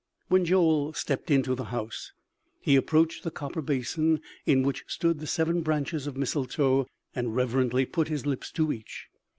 When Joel stepped into the house, he approached the copper basin in which stood the seven branches of mistletoe and reverently put his lips to each.